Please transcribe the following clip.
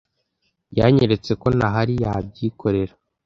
yanyeretse ko ntahari yabyikorera